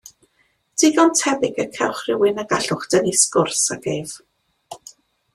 Digon tebyg y cewch rywun y gallwch dynnu sgwrs ag ef.